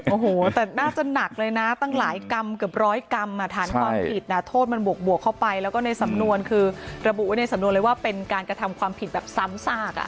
โอ้โหแต่น่าจะหนักเลยนะตั้งหลายกรรมเกือบร้อยกรรมฐานความผิดโทษมันบวกเข้าไปแล้วก็ในสำนวนคือระบุไว้ในสำนวนเลยว่าเป็นการกระทำความผิดแบบซ้ำซาก